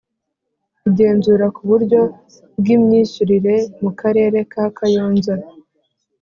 Igenzura ku buryo bw imyishyurire mu Karere ka Kayonza